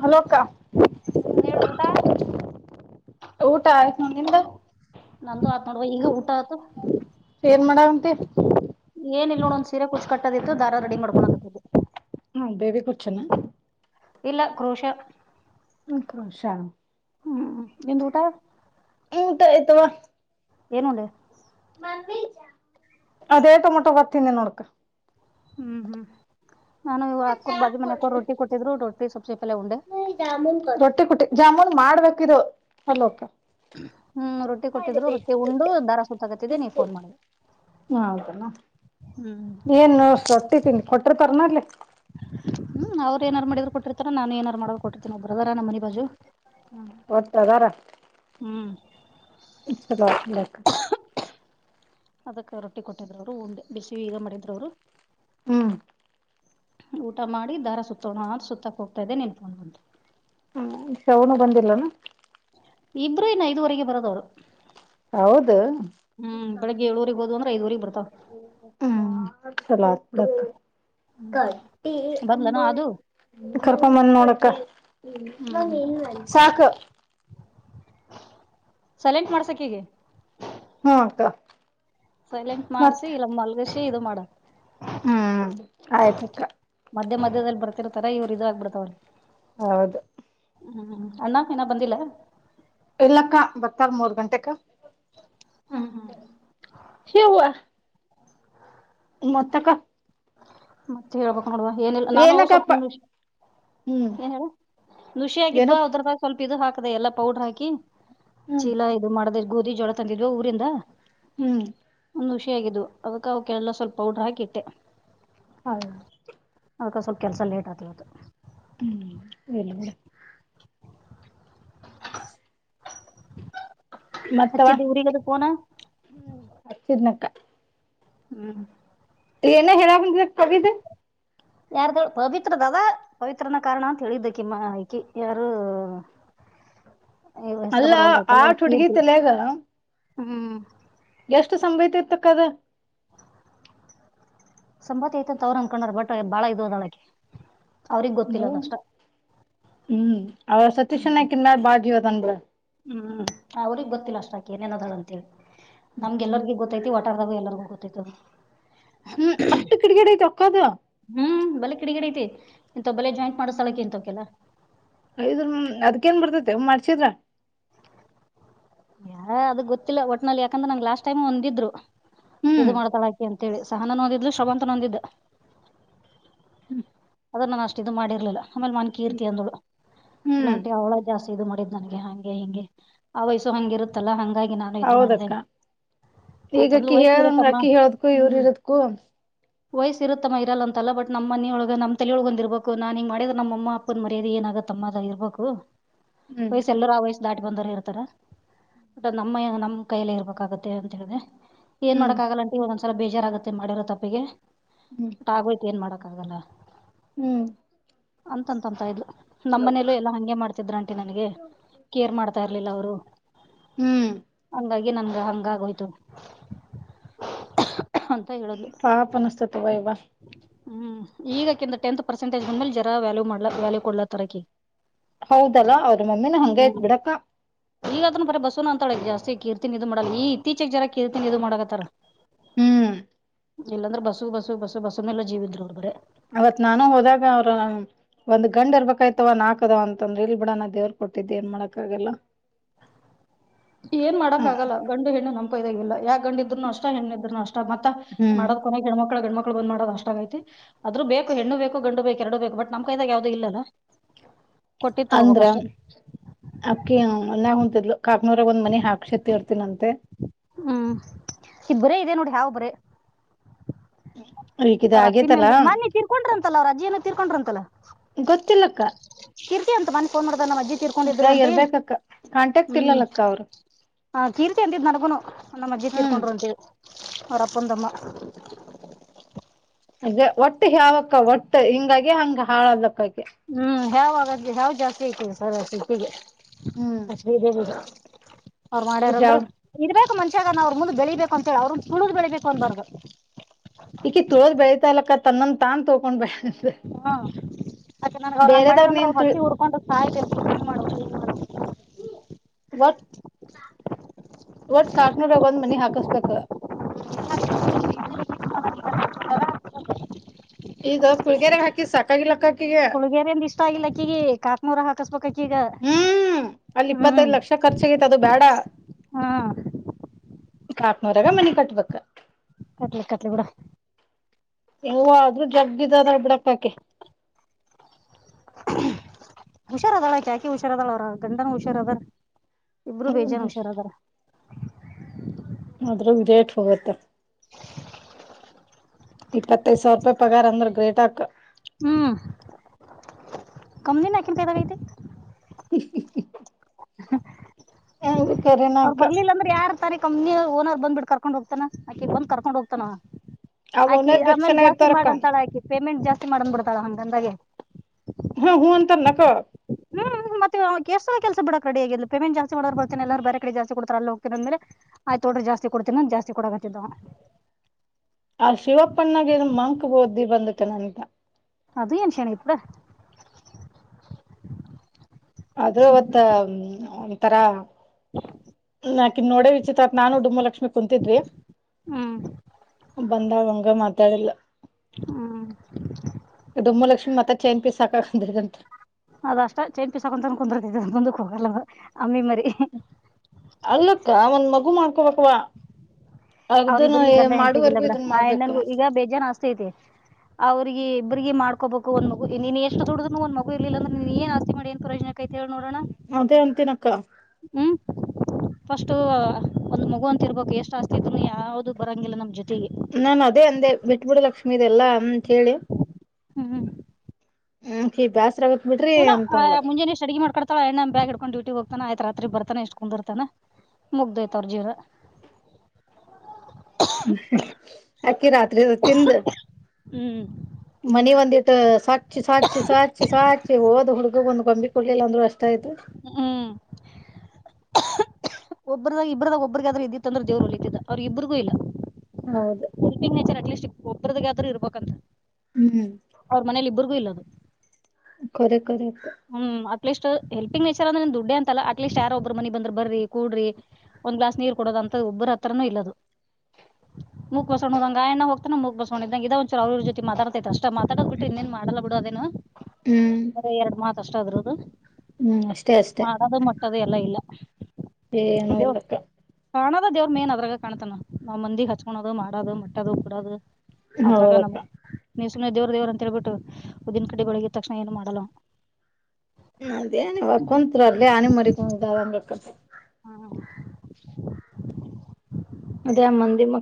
Hello ಅಕ್ಕ ಹ್ಮ್ ಹೇಳಊಟಾ ಊಟ ಆಯ್ತು ನೋ ನಿಂದ ನಂದು ಆತ್ ನೋಡುವ ಈಗ ಊಟ ಆಯತು ಏನ್ ಮಾಡಂತೆ ಏನ ಇ ನೋಡ ಒಂದ ಸೀರೆ ಕುೂು ಕಟ್ಟದಿತ್ತು ದಾರ ರೆಡಿ ಮಾಡ್ಕೊೋ ಆಾಗತ್ತದೆ ಹಾ ಬೇಬಿ ಕುಚನ ಇಲ್ಲ ಕ್ರರುಶ ಆ ಕ್ರೋಶಾ ಹ್ಮ್ ನಿಂದು ಊಟ ಹ ಊಟ ಆಯ್ತವಾ ಏನು ಉಂಡಿ ಅದೇ ಟೊಮ್ಯಾಟೋ ಬಾತ್ ತಿಂದೆ ನೋಡು ಹ್ಮ್ ಹ್ಮ್ ನಾನು ಇ ಹಾಕೋರ್ ಬಾಜು ಮನಕೋರು ರೊಟ್ಟಿ ಕೊಟ್ಟಿದ್ರು ರೊಟ್ಟಿ ಸವಲ್ಪ ಜಾಮೂನ್ ರೊಟ್ಟಿ ಕುಟ್ಟಿ ಜಾಮೂನ್ ಮಾಡ್ಬೇಕಿದು ಅಲೋಕ ಹ್ಮ್ ರೊಟ್ಟಿ ಕೊಟ್ಟಿದ್ರು ರೊಟ್ಟಿ ಉಂಡು ದರ ಸುತ್ತಾಗತ್ತಿದೆ ನೀವ್ ಫೋನ್ ಮಾಡಿ ಹ ಹೌದಣ ಏನು ಸೊಟ್ಟ ತಿನ್ಿ ಕೊಟ್ರ ಪರ್ನಾರ್ಲಿ ಹ್ಮ್ ಅವ್ರು ಏನಾರು ಮಾಡಿದ್ರು ಕೊಟ್ಟಿರ್ತಾರ ನಾನು ಏನಾರು ಮಾಡ ಕೊಟ್ಟರ್ತೀನ ಬ್ರದರ ನಮ್ಮ ಮನಿ ಬಾಜು ಹ್ಮ ಒತ್ತದಾರ ಹ್ಮ್ ಇಷ್ಟ ಅದಕ್ಕೆ ರೊಟ್ಟಿ ಕೊಟ್ಟಿದರುವ್ರು ಉಂಡೆ ಬಿಸಿ ಈಗ ಮಾಡಿದ್ರವರು ಹ್ಮ್ ಊಟ ಮಾಡಿ ದಾರ ಸುತ್ತೋಣ ಅಂತ ಸುತ್ತಕ್ ಹೋಗ್ತಾ ಇದೆ ನಿನ್ಪೊಂಡ್ ಬಂತು ಹ್ಮ ಶವನು ಬಂದಿಲ್ಲನ ಇಬ್ರು ಇನ್ನು ಐದುವರೆಗೆ ಬರೋದವರು ಹೌದು ಏಳುವರಿಗ್ ಹೋದ್ವು ಅಂದ್ರ ಐದುವರಿಗ್ ಬರ್ತಾವ್ ಹ್ಮ್ ಚಲಾತ್ತ ಕಟ್ಟ ಅ ಬಂದ್ಲೇನ ಅದು ಕರ್ಕೊಂಬಂದ ನೋಡಕ್ಕ ನಿ ಹ್ಮ್ ನೀನು ಮನ್ಸಾಕ ಸೈಲೆಂಟ್ ಮಾಡ್ಸಕ್ ಹೇಗೆ ಹ್ಮಕಾ ಸೈಲೆಂಟ್ ಮಾಡಸಿ ಇಲ್ಲ ಮಲ್ಗಸಿ ಇದು ಮಾಡಕ್ ಹ್ಮ್ ಆಯ್ತ್ತ್ರ ಮಧ್ಯ ಮಧ್ಯದಲ್ಲಿ ಬರ್ತಿರ್ತಾರ ಇವ್ರು ಇದ ಆಾಗಗ್ಬಿತಾವಳಿ ಹೌದು ಹ್ಮ್್ಮ್ ಅಣ್ಣ ಏನ ಬಂದಿಲ್ಲ ಎಲ್ಲಕ್ಕ ಬರ್ತಾರ ಮೂರ್ ಗಂಟೆಕ್ಕ ಹವು ಮೊತ್ತಕ ಮತ್ತೆ ಹೇಳ್ಬ ನೋಡುವ ಏನಿಲ್ಲ ನಾನು ಏನಕ್ಕಪ್ಪ ಸ್ವಲ್ಪ ನಿಷ ಹ್ಮ್ ಏ ುಷಿಯ ಏನೋ ಆಗಿದ್ವಾ ಅದ್ರದಾಗ ಸ್ವಲ್ಪ ಇದು ಹಾಕ ಎಲ್ಲಾ ಪೌಡ್ರ ಹಾಕಿ ಹ್ಮ್ ಚೀಲ ಇದು ಮಾಡದ ಗೋಧಿ ಜೋಳ ತಂದಿದ್ೋ ಊರಿಂದ ಹ್ಮ್ ಒ್ ಹುಷಿಯಾಗಿದ್ದು ಅವದಕ್ಕ ಅವಕ ಎಲ್ಲ ಸ್ವಲ್ಪ ಪೌಡರ್ ಹಾಕಿಟ್ಟೆ ಹೌ ಅದಕ್ಕೆ ಸ್ವಲ್ ಕೆಲಸ ಲೇಟ್ ಆಗ್ಲವತ್ತು ಹ್ಮ್ ಎಲ್ಲಡ ಮತ್ತವಾ ಹಚ್ಚಿದ್ದೆ ಇವ್ರಿಗ್ ಅದು ಹಚ್ಚಿದನಕ್ಕ ಹ್ಮ್ ಏನ ಹೇಳರ ಬಂದ ಕಗಿತ ಯಾರ್ದ ಪವಿತ್ರದದ ಪವಿತ್ರನ ಕಾರಣ ಅಂತ ಹೇಳಿದ್ದಕ್ಕಿಮ್ಮ ಆಕಿ ಯಾರು ಇವ್ ಹೆಸರು ಅಲ್ಲ ಬರವಲ್ದು ಆಯ್ತಲ್ಲ ಆಟ್ ಹುಡ್ಗಿ ಕೀರ್ತಿ ತಲ್ಯಗ ಹ್ಮ್ ಎಷ್ಟು ಸಂಬಯತಿ ಇತಕ್ಕದ ಸಂಪಾತಿ ಐತೆ ಅಂತ ಅವ್ರ ಅನ್ಕೊಂಡಾರ ಬಟ್ ಬಾಳ ಇದ ಅದಳೆ ಹ ಹ್ಮ್ ಅವ ಸತೀಶ್ನಕಿನ್ನಾರ ಬಾಗ ಇವದನ್್ರ ಹ್ಮ್ ಅವ್ರಗ್ ಗೊತ್ತಿಲ್ಲ ಅಷ್ಟಾಕ ಏನೇನದಾಳ ಅಂತ ಹೇಳಿ ನಮ್ಗೆಲ್ಲರಿಗ ಗೊ ಗೊತ್ತೈತಿ ಒಟಾರದಾಗ ಎಲ್ಲರಿಗೂ ಗೊತ್ತೈತ್ತು ಹ್ಮ್ ಅಷ್ಟು ಕಿಡಿಗಿ ಆ ಐತ ಹ್ಮ್ ಬಲೆ ಕಿಡಿಗಿಡ ಐತಿ ಇಥವ ಬಲೆ ಜಾಯಿಂಟ್ ಮಾಡೋ ಸ್ಥಳಕ್ಕೆ ಇಂತವ ಕೆಲ್ಲ ಐ ಅದ್ನ್ ಬರ್ತತೆ ಮಾಡ್ಚಿದ್ರ ಯಾರ ಅದ ಗೊತ್ತಿಲ್ಲ ಒಟ್ನಲ್ಲಿ ಯಾಕಂದ್ರೆ ನಂಗ್ ಲಾಸ್ಟ್ ಟೈಮ್ ಒಂದಿದ್ರು ಹ್ಮ್ ಇದು ಮಾಡ್ತಾಳಾಕಿ ಅಂತ ತೇಳಿ ಸಹನ ನೋಂದಿದ್ಲು ಶ್ರಮಂತ ನೋಂದಿದ್ದ ಅದನ್ನ ನಾನ ಅಷ್ಟ ಇದು ಮಾಡಿರ್ಲಿಲ್ಲ ಆಮೇಲೆ ಮನ್ಕಿ ಇರ್ತಿ ಅಂದಳು ಹ್ಮ್ ಇಟಿ ಅವಳ ಜಾಸ್ತಿ ಇದು ಮಾಡಿದ್ ನನಗೆ ಹಂಗೆ ಹಿಂಗೆ ಆ ವಯಸ್ಸು ಹಂಗ ಇರುತ್ತಲ್ಲ ಹಂಗಾಗಿ ನಾನು ಇದ್ ಮಾಡ್ದ ಹೌದಕ್ಕ ಈಗ ಅಂದ ಅಕಿ ವಯ್ಸ ಹೇಳ್ದಂಗ ಇರತ್ತಮ್ಮ ಅಕಿ ಹೇಳದಕ್ಕೂ ಇವ್ರ ಹ್ಮ್ ಇರದಕ್ಕೂ ವಯಸ್ಸ ಇರುತ್ತಮ್ಮ ಇರಲ್ಲ ಅಂತಲ್ಲ ಬಟ್ ನಮ್ಮ ಮನಿಯೊಳಗ ನಮ್ದ ತಲೆ ಒಳ್ಗೊಂಡ ಇರ್ಬೇಕು ನನ್ ಹಿಂಗ ಮಾಡಿದ್ರ ನಮ್ಮ ಅಪ್ಪನ್ ಮರ್ಯೆ ಏನಗತ್ತ ಅಮ್ಮ ಅ ಇರ್ಬೇಕು ಹ್ಮ್ ವಯಸ್ಸ ಎಲ್ಲರ ಆ ವಯಸ್ಸ ದಾಟಿ ಬಂದರು ಇರ್ತಾರ ಬಟ್ ನಮ್ಮ ನಮ್ಮ್ ಕೈಯಲ್ಲಿ ಇರ್ಬೇಕಾಗತ್ತೆ ಅಂತ ಹೇಳ್ದಿದೆ ಏನ್ ಹ್ಮ್ ಮಾಡಾಕ್ ಆಗಲ್ಲಂಟಿ ಒಂದೊಂದ್ಸಲ ಬೇಜಾರಾಗುತ್ತೆ ಮಾಡಿರೋ ತಪ್ಪಿಗೆ ಹ್ಮ್ ಬಟ್ ಆಗೋಯ್ ಏನ್ ಮಾಡಕ್ ಕದಲ್ಲ ಹ್ಮ್ ಅಂತಂತಂತ ಇದು ನಮ್ಮ ಮನೇಲ್ಲೂ ಎಲ್ಲಾ ಹಗೆ ಮಾಡ್ತಿದ್ರಂಟಿ ನನ್ಗೆ ಕೇರ್ ಮಾಡ್ತಾ ಇರ್ಲಿಲ್ಲ ಅವರು ಹ್ಮ್ ಹಂಗಾಗಿ ನನ್ಗೆ ಹಂಗಾಗಿಯ್ತು ಅಂತ ಹೇಳದು ಪಾಪ ಅನಸ್ತತವ ಇವ ಹ್ಮ್ ಈಗ ತಿಂದು ಟಂತ್ ಪರ್ಸೆಟೇಜ್ಂದ ಮೇಲೆ ಜರ ವಲ್ಯ ಮಾಡಲ ವ್ಯಾಲ್ಯೂ ಕೊಲ ತರಿ ಹೌದಲ್ಲ ಅವ್ರ ಮಮ್ಮಿನ ಹಂಗ ತ್ ಹ್ಮ್ ಬಿಡಕ್ಕ ಈಗ ಅದ ಬರ ಬಸನು ಅಂತಾಳೆ ಜಾಸ್ತಿ ಕೀರ್ತಿ ಇದು ಮಾಡಲ್ಲ ಈ ಇತ್ತೀಚೆಗೆ ಜರ ಕೀರ್ತಿಿನಿ ಇದು ಮಾಡತ್ತಾರ ಹ್ಮ್ ಇಲ್ಲಾಂದ್ರೆ ಬಸ್ ಬಸ್ ಬಸ್ ಬಸ್ಸು ಮಲ್ಲ ಜೀವಲ್ರುಡ್ರೆ ಅವತ್ ನಾನು ಹೋದಾಗ ಅವ್ರ ಒಂದ್ ಗಂಡ್ ಇರ್ಬೇಕಾಯ್ತವ ನಾಕದವ ಅಂತಂದ್ರೆ ಇಲ್ ಬಿಡ ನಾ ದೇವ್ರ ಕೊಟ್ಟಿದ್ದೆ ಏನ್ ಮಾಡಾಕ್ಕ ಆಾಗಲ್ಲ ಹ ಏನ್ ಮಾಡಕ್ಕ ಆಗಲ್ಲ ಗಂಡು ಹೆಣ್ಣು ನಪೈದಾಗ ಇಲ್ಲ ಯಾಕ ಗಂಡ ಇದ್ನು ಅಷ್ಟ ಹೆಣ್ಣಿದ್ನು ಅಷ್ಟ ಮತ್ತತ್ ಹ್ಮ್ ಮಾಡದ್ಕನೆ ಗಣ್ಮ ಮಕ್ಳ ಗಣ್ಮಕ್ ಳ ಬಂದ್ ಮಾಡೋ ಅಷ್ಟ ಆಐತಿ ಆದ್ರ ಬೇಕು ಹೆಣು ಬೇಕು ಗಂಡು ಬೇಕ ಎರಡು ಬೇಕ ಬಟ್ ನಮ್ ಕ ಇದದಾಗ ಯಾವ್ದು ಇಲ್ಲ ಅಂದ್ರ ಅಕ್ಕಿ ಮನ್ಯಾಗ ಕುಂತಿದಲು ಕಾಕ್ನೂರಾಗ ಒಂದ್ ಮನಿ ಹಾಕ್ ಶತ್ತ ಇರ್ತನಂತೆ ಹ್ಮ್ ಇಬ್ಬರೇ ಇದೆ ನೋಡಿ ಯಾವಬ್ಬರೇ ಹ್ಮ ಅವ್ರ ಅತ್ತಿ ಮೇಳಿ ಮೊನ್ನೆ ತಿರ್ಕೊಂಡ್ರ ಅಂತಲ್ಲ ಅವ್ರ ಅಜ್ಜಿಯನ ತಿರ್ಕೊಂಡ್ರಂತಲ್ಲ ಗೊತ್ತಿಲ್ಲ ಅಕ್ಕ ಕಿರ್ತಿ ಅಂತ ಮೊನ್ನೆ ಫೋನ್ ಮಾಡಿದಾಗ ನಮ್ಮ ಅಜ್ಜಿ ತಿರ್ಕೊಂಡಿದ್ರು ಅಂಟಿ ಕಾಂಟಾಕ್ ಹ್ಮ್ ಇಲ್ಲಲಕ್ಕ ಅವ್ರು ಹ ಕೀರ್ತಿ ಅಂತಿದ್ ನಗುನು ನಮ್ಮ ಅಜ್ಜಿ ಹ್ಮ್ ತೀರ್ಕೊಂಡರು ಅಂತ ಹೇಳಿ ಅವ್ರ ಅಪ್ಪದು ಅಮ್ಮ [inaudible] ಅ ಒಟ್ಟು ಯಾವಕ್ಕ ಒಟ್ಟು ಹಿಂಗಾಗಿ ಹಂಗ ಹಾಳದಕ್ಕ ಆಯತ ಹ್ಮ್ ಹ್ಯಾವ ಆಗಾದ್ಲಿ ಹಾವ್ ಜಾಸ್ತಿ ಐತದೆ ಸರ್ತಿಗೆ ಹ್ಮ್ ಅ ಶ್ರೀದೇವಿಗೆ ಅವ್ ಮಾಡ್ಯಾರಂದ್ರರು ಹ್ಯಾವ್ ಇರ್ಬೇಕೇಕ್ ಮಂಷ್ಯಾಗ ನಾ ಅವ್ರ ಮುಂದ್ ಬೆಳಿಬೇಕು ಅಂತ ಹೇಳಿ ಅವ್ರ ತುಳಿದು ಬೆಳಿಬೇಕು ಅನ್ಬಾರ್ದು ಈಕಿ ತುಳಿದು ಬೆಳತಾಲಕ್ಕ ತನ್ನಂದ ತಾನ್ ತುಳ್ಕೊಂಡು ಹಾ ಅಕ್ಕಿ ನನ ಅವ್ರ ಹಂಗ್ ಮಾಡಳಾರ ಬೇರೆದವ್ರನ ಅಂದ್ರೆ ಏನ್ ಅವ್ ತಿಳ್ ಹೊಟ್ಟೆ ಉರ್ಕೊಂಡು ಸಾಯಬೇಕು ಮಾಡ್ [inaudible] ಒಟ್ ಕಾಕ್ನೂರಾಗ ಒಂದ್ ಮನಿ ಹಾಕಸ್ಬೇಕ [inaudible] ಈಗ ಪುಲಿಗೆರಿಗೆ ಹಾಕಿ ಸಾಕಾಗಿಲ್ಲಕ್ಕ ಪುಳ್ಗೇರೆಂದ ಇಷ್ಟ ಆಗಿಲ್ಲ ಅಕ್ಕಿಗಿ ಕಾತ್ನೂರ ಹಾಕಸ್ಬೇಕಕ್ಕಿ ಈಗ ಹ್ಮ ಅಲ್ಲಿ ಇಪ್ಪತ್ತೈದು ಲಕ್ಷ ಖರ್ಚಹಾಗೈತೆ ಅದು ಬೇಡ ಹಾ ಕಾತನುರಾಗ ಮನೆ ಕಟ್ಬೇಕಕ್ ಕಟ್ಲಿ ಕಟ್ಲಿ ಬಿಡು ಹೆಂಗೋ ಆದ್ರೂ ಜಗ್ಗಿದದ ಬಿಡಪ್ಪ ಆಕಿ ಹುಷಾರ ಅದಾಳ ಯಾಕೆ ಹುಷಾರ ಅದಾಳ ಅವ್ರ ಗಂಡನ್ ಹುಷಾರ ಅದಾರ ಇಬ್ರು ಬೇಜನ್ ಹುಷಾರಾರ್ ಅದಾರ [inaudible] ಆದ್ರ ಡೇಟ್ ಹೋಗುತ್ತೆ ಇಪ್ಪತ್ತೈದ್ ಸಾವಿರ ರೂಪಾಯಿ ಪಗಾರ ಅಂದ್ರೆ ಗ್ರೇಟಕ ಕಮ್ಯುನಿ ಹಾಕಿ ಕೈಗಾರಿಕೆ ಹೌದು ಅವ್ ಬರ್ಲಿಲ್ಲ ಅಂದ್ರೆ ಯಾರ ಇರ್ತಾರೆ ಕಂಪ್ನಿ ಓನರ ಬಂದಬಿಟ್ಟ ಕರಕೊಂಡ ಹೋಗತಾನ ಅಕಿನ ಬಂದು ಕರ್ಕೊಂಡು ಹೋಗ್ತಾನ ಆವಾ ಆ ಆಕಿ ಓನರ್ಗ ಎಷ್ಟ್ ಆಮೇಲೆ ಜನ ಜಾಸ್ತಿ ಇರ್ತಾರಕ್ಕ ಮಾಡಂತಾಳ ಆಕಿ ಪೇಮೆಂಟ್ ಜಾಸ್ತಿ ಮಾಡ ಅಂದ ಬಿಡ್ತಾಳ ಹಂದಾಗೆ ಹಾ ಹೂ ಅಂತ ನಕ ಮತ್ತ ಎಷ್ಟ ಕೆಲ್ಸ ಬಿಡಕ್ ರೆಡಿಗ ಪೇಮಂಟ್ ಜಾಸ್ತಿ ಮಾಡರ್ ಬರ್ತ ಎಲ್ಲರ ಬೇರೆಡೆ ಜಸ್ತಿ ಕೊಡ್ತಾರೆಲ್ಲ ಅಲ್ಲಿ ಹೋಗತೀನಿ ಆದ್ಮೇಲೆ ಆಯ್ತ ಜಾಸ್ತಿ ಕೊಡ್ತನಿ ಅಂತ ಜಾಸ್ತಿ ಕೊಡಕತ್ತಿದ ಆವಾ ಆ ಶಿವಪ್ಪಣನ್ಣಾಗೇನು ಮಂಕ್ ಬುದ್ದಿ ಬಂದತೆನಂತ ಅದೇನು ಇತೋ ಆದ್ರೂ ಅವತ್ತ ಒಂಥರಾ [inaudible] ನಾ ಆಕೀ ನೋಡ ವಿಚತ್ ನಾನು ಡುಮ್ಮ ಲಕ್ಷ್ಮಣ ಕುಂತಿದ್ವಿ ಹ್ಮ್ ಬಂದಾಗ ಹಂಗ ಮಾತಾಡಿಲ್ಲ ಹ್ಮ ಡುಮ್ಮಲಕ್ಷ್ಮಿ ಮತ್ತ ಚೈನ್ ಸಾಕ ಅಂದ್ರಗಂತ ಅದ ಅಷ್ಟ ಚೇನ್ ಪಿಸಕೊಂತ ಕುಂದಿರ್ತ ಮುದಕ್ಕೆ ಹೋಗಲ್ಲ ಆವಾ ಅಲ್ಲಕ್ಕ ಅವನ್ ಮಗು ಮಾಡ್ಕೊಬೇಕಲ್ವಾ ಆವಾ ಅವ್ರರಿಬ್ಬರಿಗೆ ಗಂಡ ಹೆಣ್ತೆಗಿಲ್ಲ ಬೇಡ ಆ ಮಾಡ್ಬೇಕ ಅಣ್ಣನಗೂ ಈಗ ಬೇಜಾನ ಆಸ್ತಿ ಐತೆ ಅವ್ರರಿಗೆ ಇಬ್ಬರಿಗೆ ಮಾಡ್ಕೋಬೇಕು ಒಂದ್ಗ ನೀನು ಎಷ್ಟ ದುಡುದ್ನು ಒಂದ ಮಗು ಇಲ್ಲ ಅಂದ್ರೆ ನೀನ್ ಏನ್ ಆಸ್ತಿ ಮಾಡಿ ಏನ ಪ್ರಯೋಜನ ಕೈತೆ ಹೇಳ ನೋಡೋಣ ಅದೇ ಹೇಳ್ತೀನಿ ಅಕ್ಕ ಹ್ಮ್ ಫಸ್ಟ್ ಒಂದ್ ಮಗು ಅಂತ ಇರ್ಬೇಕಕ್ ಎಷ್ಟ್ ಆಸ್ತಿತ್ತು ಯಾವ್ದು ಬರಂಗಿಲ್ಲ ನಮ್ ಜೊತೆ ನಾನ್ ಅದೇ ಅಂದೆ ಬಿಟ್ಬಿಡ ಲಕ್ಷ್ಮೀಇದೆಲ್ಲಾ ಅಂತ ಹೇಳಿ ಹ್ಮ್ ಹಾಕಿ ಬಾಸ್ರ ಆಗತ ನಾ ಮುಂಜೆಷ್ಟ ಅಡಿ ಮಾಡ್ಕತಾಣ್ಣ ಬ್ಯ್ ಇಡ್ಕೊಂಡ ಡ್ಯಟಿ ಹೋಗ [unintelligible] ತಾನ ಆಯ್ತು ರಾತ್ರಿ ಬರ್ತಾನ ಇಷ್ಟ್ ಕುಂದಿರ್ತಾನ ಮುಗ್ದಯ್ತ ಅವ್ರ ಜೀವನ ಅಕಿ ರಾತ್ರಿ ತಿಂದ ಹ್ಮ್ ಮನಿ ಒಂದಿ [inaudible] ಸಾಚಿ ಸಾಚಿ ಸಾಚಿ ಸಾಚಿ ಓದ್ ಹುಡ್ಗಗ್ ಒಂದ್ ಗೊಂಬಿ ಕೊಡ್ಲಿಲ್ಲ ಅಂದ್ರು ಅಷ್ಟ [unintelligible] ತ ಇದುು ಹ್ಮ್ ಒಬ್ಬ್ರದಾಗ ಇಬದಾಗ ಒಬ್ಬರಿಗಾದ್ರೆ ಇದ್ದಿತ್ತಂದ್ರೆ ದೇವರು ಹೊಲಿತತಿದ್ದ ಅವ್ರ ಇಬ್ಬರಿಗೂ ಇಲ್ಲ ಹೌದು ಕಿ್ ನೇಚರ್ ಅಟ್ಲೀಸ್ಟ್ ಒಬ್ಬರದಾಗ ಆದ್ರೂ ಇರ್ಬೇಕಂತ ಹ್ಮ್ ಅವ್ರ ಮನೇಲಿ ಇಬ್ಬರು [inaudible] ಇಬ್ಬರಿಗೂ ಇಲ್ಲ ಅದು ಕರಖ [unintelligible] ಹ್ಮ್ ಅಟ್ಲೀಸ್ಟ್ ಹೆಲ್ಪಿಂಗ್ಚರ್ ಅಂದ್ರೆನ್ ದುಡ್ಡ ಅಂತ ಅಲ್ಲ ಅಟ್ಲೀಸ್ಟ್ ಯಾರ ಒಬ್ಬರು ಮನಿ ಬಂದ್ರ ಬರ್ರಿ ಕೊಡರಿ ಒಂದ್ ಗ್ಲಾಸ್ ನೀರ್ ಕೊಡೋದ ಅಂತ ಒಬ್ಬರ ಹತ್ರನೂ ಇಲ್ಲದು ಮುಕ್ ಬಸೋ್ ಹೋದಂಗ ಎಣ ಹೋಗ್ತಾನ ಮುಕ್ ಬಸಕೋೊಂಡ ಇದಂಗ ಇದ ಒಂಚ ಅವ್ರ ಜೊತೆ ಮಾತಾಡ್ತೈತೆಷ್ಟ ಅಷ್ಟ ಮಾತಾಡೋಕ್ ಬಿಟ್ರೆ ಇನ್ನೇನ್ ಮಾಡಲ್ಲ ಬಿಡು ಅದೇನು ಹ್ಮ್ ಮ ಎರಡು ಮಾತ್ ಅಷ್ಟದ್ರದು ಹ್ಮ್ ಅಷ್ಟೇ ಮಾಡೋದು ಮಟ್ಟದು ಎಲ್ಲ ಇಲ್ಲ ಏನೋ ಇಲ್ಲಕ್ಕ ಕಾಣೋದ ದೇವ್ರ ಮೇನ್ ಅದರಾಗ ಕಾಣ್ತನ ನಾವ್ ಮಂದಿ ಹಚ್ಕೋದು ಮಾಡೋದು ಮಟ್ಟದು ಕೂಡೋದು ಅದ್ರಾಗ ನಮ್ ಹೌದಕ್ಕ [inaudible] ನೀವು ಸುಮ್ಮನೆ ದೇವ್ರ ದೇವ್ರರು ಅಂತೇಳ್ಬಿಟ್ಟು ಊದ್ದಿನ ಕಡ್ಡಿ ಬೆಳಗಿದ ತಕ್ಷಣ ಏನು ಮಾಡೋಲ್ಲ ಅವನು ಅದೇನವ ಕುಂತ್ರ ಅಲ್ಲಿ ಆನೆ ಮರಿಕೊಂಡ ಅಂದ ಹ್ಮ [inaudible] ಅದೇ ಮಂದಿ ಮ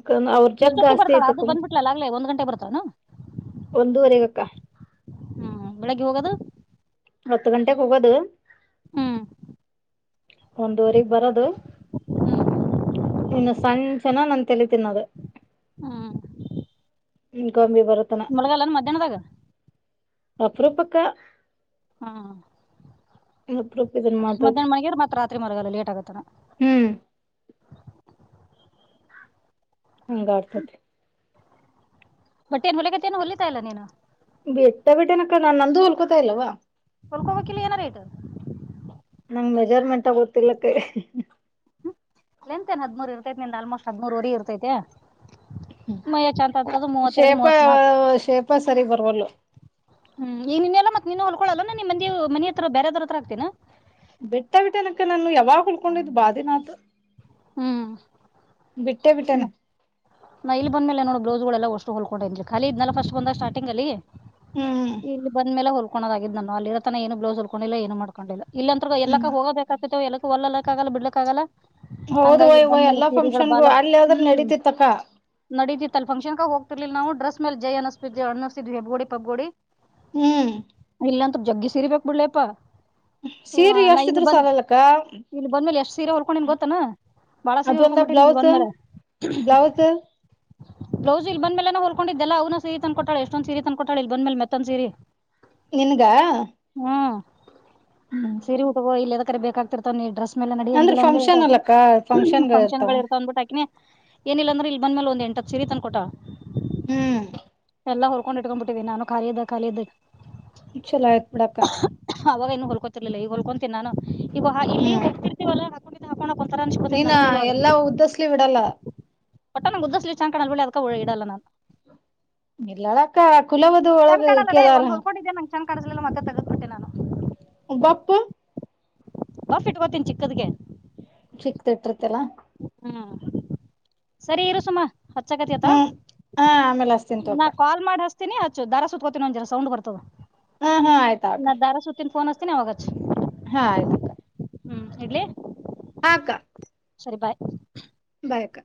ಎಷ್ಟೊತ್ತ ಬರ್ತಳ ಅದು ಬಂದ್ಬಿಟ್ಲಲ್ಲ ಆಗ್ಲೇ ಒಂದ್ ಗಂಟೆ ಬರ್ತಾಳ ಏನೋ ಒಂದುವರೆಗ ಅಕ್ಕ ಹ್ಮ್ ಬೆಳಗ್ಗೆ ಹೋಗದು ಹತ್ತು ಗಂಟೆಗೆ ಹೋಗೋದು ಹ್ಮ್. ಒಂದುವರೆಗ್ ಬರದು. ಹ್ಮ್ ಇನ್ನ ಸಂಜನ ನನ್ ತೆಲೆ ತಿನ್ನೋದು. ಹ್ಮ್ ಗೊಂಬಿ ಬರೋತನ ಮಳಗ ಎಲ್ಲಾನ ಮಧ್ಯಾಹನದಾಗ. ಅಪರಪಕ್ಕ. ಹಾ. ಹ್ಮ. ಮಧ್ಯಾಹ್ ಮನೆಗರ್ ಮತ್ತತ್ ರಾತ್ರಿ ಮರಗಲ್ಲ ಲೇಟ್ ಆಗತ್ತಾನ. ಹ್ಮ್ ಹಂಗ ಆರ್ತತಿ. ಬಟ್ ಏನ್ ಹೊಲಗತ ಏನು ಹೊಲಿತಾ ಇಲ್ಲ ನೀನು. ಬೆಟ್ಟ ಬಿಟ್ಟೆನಕ ನಾ ನಂದು ಹೊಲ್ಕೋತಾ ಇಲ್ವಾ. ಫಲ್ಕೋವಾ ಕಲ್ಲಿ ಏನ ರೇಟ. [unintelligible] ನಂಗ ಮೆಜರ್ಮೆಂಟ್ ಗೊತ್ತಲಕ್ಕ. ಲೆಂತ್ಏನ್ ಹದ್ಮೂರ್ ಇರ್ತೈತಿ ನಿಂದ ಆಲ್ಮೋಸ್ಟ್ ಹದ್ವರೆಗ ಇರ್ತೆ. ಮಯ ಚಂತ [unintelligible] ಅಂತದ್ದ ಮೂವತ್ತೆರಡು ಶೇಪ ಮೂವತ್ತ್ ನಾಲ್ಕು. ಶೇಪ ಸರಿ ಬರ್ವಲ್ಲು ಹ್ಮ್ ಈಗ ನಿನ್ನೆಲ್ಲ ಮತ್ತ ನಿನ್ನ ಹೊಲ್ಕೊಳ್ಳಳಲ್ಲ ನ ನಿಮ್ಮಂದ ಮನೆ ಹತ್ರ ಬೇರೆದ್ರ ಹತ್ರ ಆಗ್ತನ. ಬೆಟ್ಟ ಬಿಟ್ಟನಕ್ಕೆ ನಾನು ಯಾವಾಗ ಉಳ್ಕೊಂಡಿದ್ ಬಾದಿನಾಥ. ಹ್ಮ್. ಬಿಟ್ಟೇನ ಇಲ್ಲ ನಾ ಇಲ್ಲಿ ಬಂದ್ಮೇಲೆ ನೋಡ್. [unintelligible] ಬ್ಲೌಸ್ ಗಳೆಲ್ಲಾ ಅಷ್ಟು ಹೊಲ್ಕೊಂಡ ಖಿ ಇದ್ ಫಸ್ಟ್ ಬಂದ ಸ್ಟಾರ್ಟಿಂಗ್ ಅಲ್ಲಿ ಹ್ಮ್ ಇಲ್ಲಿ ಬಂದ ಮೇ ಹೊ. ಕೋದಾಗಿದ್ದನು ಅಲ್ಲಿರತ್ತಾನ ಏ ಬ್ಲೌಸ್ ಉಕೊಂಡಿಲ್ಲ ಏನು ಮಾಡಕೊಂಡಿಲ್ಲ ಇ ಅಂದ ಎಲ್ಲಕ್ಕ ಹ್ಮ್ ಹೋಗಬೇಕಾಗತಿತ್ತು ಎಲ್ಲಕ್ಕ ಒಲ್ಲ. ಕ್ಕ ಆಗಲ್ಲ ಬಿಡ್ಲಕ್ಕ ಆಗಲ್ಲ ಹೌದವ ಹಂಗಾಗಿರ್ ಇವ ಬಂದ್ಮೇಲೆ ಎಲ್ಲಾ ಸೀರೆಗಳು ಫಂಕ್ಷನ್ಗೂ ಬಾಲ. ಅಲ್ಲಿ ಆದ್ರ ಹ್ಮ್ ನಡೀತಿತ್ತಕ್ಕ ನಡಿದಿತ್ತ ಅಲ್ ಫಂಕ್ಷನ್ ಹೋಗತಿರ್ಲ ನಾ ಡ್ರೆಸ್ ಮೇ ಜೈ ಅನಿಸತಿದ್ ಅನಿಸತಿದ್ವಿಬ್ಗೋಡಿ ಪಬ್ಗ್ಗೋಡಿ. ಹ್ಮ್. ಇಲ್ಲಾಂತ ಜಗ್ಗಿ ಸೀರಿಬೇಕ್ ಬಿಡ್ಳೇಪ್ಪಾ. ಹಓ ಸೀರೆ ನಾ ಇಲ್ಲಿ ಎಷ್ಟಿದ್ರು ಬಂದ್ ಸಾಲಲ್ಲಕ್ಕ ಇಲ್ಲಿ ಬಂದ್ಮೇಲೆ ಎಷ್ಟ ಸೀರೆ ಹೊಲ್ ಕೋಂಡಿನ್ ಗೊತ್ತನ್ ಬಾಳ ಸೀರೆ ಅದೊಂದ ಉಳ್ಕೊಂಡ್ ಬಿಟ್ಟಿನಿ ಇಲ್ಲಿ ಬ್ಲೌಸ್ ಬಂದ ಮೇಲೆ. ಬ್ಲೌಸ್. ಬ್ಲೌಸ್ ಇಲ್ ಬಂದ ಮೇಲೆನ ಹೊಲ್ಕೊಂಡಿದ್ದಲ್ಲ ಅವ್ವನ ಸೀರಿ ತಂದ ಕೊಟ್ಟಳ ಎಷ್ಟೊಂದ ಸೀರಿ ತಂದ ಕೋಟ್ಟಾಳ ಇ ಬಂದ ಮೇಲೆ ಮೆತ್ತಂದ್ ಸಿರಿ. ನಿನ್ಗ. ಸೀರಿ ಊಟಗ ಇಲ್ಲದ ಕರೆ ಬೇಕಾಗ್ತಿರ್ತಾವ ಡ್ರೆಸ್. ಅಲೆ ನಡಿ ಅಂದ್ರ ಹೆಂಗಿಲ್ಲ ಅಂದ ಬಿ ಫಂಕ್ಷನ್ ಹಾಕಿನಿ ಅಲ್ಲಕ್ಕ ಫಂಕ್ಷನ್ಗ ಫಕ್ಷನ್ ಇರ್ತಾವ ಇರ್ತ ಅಂದ್ಬಟ್ಟ ಆಕಿನೇ ಏನಿಲ್ಲಾ ಅಂದ್ರ ಇಲ್ ಬಂದ್ಮೇಲೆ ಒಂದ್ ಎಂಟತ್ ಸಿರಿ ತನ್ಕೊಟಾರ್ ಹ್ಮ್ ಎಲ್ಲ ಹೊರ್ಕೊಂಡ್ ಇಟ್ಕೊಂಡ್ಬ ಬಿಟ್ಟಿವವಿ ನಾನು ಖಾಲಿ ಇದ್ದಾಗ ಖಾಲಿ ಇದಾಗ ಚಲೋಯ ಆತ್ ಅಕ್ಕ. ಹೊಲ್ಕೋತಿರ್ಲಿಲ್ಲ ಈ ಹೊಲ್ಕೊತೀ ನಾನು ಈಗ ಇಲ್ಲಿ ಹ್ಮ್ ಒರ್ತಿವಲ್ಲ ಹಾಕೋಂಡಿದ್ದ ಹಾಕ್ಕೊಂಡಿದ್ದ. ಹಾಕ್ಕೊಳಕ್ ಒಂತರ ಅನೀಶ್ ಬಿಡುತೈತೆ ನೀನ ನನಗೂ ಇವಾಗ ಎಲ್ಲಾ ಉದ್ದಸ್ಲಿ ಬಿಡಲ್ಲ ಒಟ್ಟ ನ ಉದ್ದ ಸ್ಲಿವ್ ಲಿ ಚೆಂದ ಕಾಣಾಗಿಲ್ ಅದ್ಕ ಉಡಲ್ಲ ನಾನು. ಇಲ್ಲಳಕ್ಕ ಕುಲವದು ಒಳಗ ಇಕ್ಕಿಅದಾಳಲ್ ಹಂಗ್ ಚಾಂದ್ ಕಾಣಸ್ಲಿಲ್ಲ ಮತ್ತ ತಗದಬೀಟ್ಟೆ ನಾನು. ಬಪ್ಪು. ಬಫ್ ಇಟ್ಕೋತೀನಿ ಚಿಕ್ಕದೆಗೆ. ಚಿಕ್ಕದ ಇಟ್ಟರ್ತಲ್ಲಾ. ಹ್ಮ್ ಸರಿ ಇರು ಸುಮ. ಹಚ್ಚಕತಿ ಹ್ಮ್ ಹಾ ಆಮೇಲೆ ಹಸ್ತಿನ್ ತೋ ನಾ ಅಕ್ಕ ಕಾಲ್ ಮಾಡಿ ಹಚ್ಚು ದಾರ ಸುತ್ತತ್ಕೋತನಿ ಒಂಜರ ಸೌಂಡ್ ಬರ್ತದ ಹಾ ಹಾ ಆಯ್ತಾ ಅಕ್ಕ ನಾ ದಾರ ಸುತ್ತಿನ [unintelligible] ಅವಾಗ ಹಚ್ ಹಾ ಆಯ್ತಕ್ಕ. ಹ್ಮ್ ಇಡ್ಲಿ ಹಾ ಅಕ್ಕಾ ಸರಿ ಬಾಯ್ ಬಾಯ ಅಕ್ಕಾ